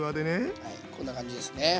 はいこんな感じですね。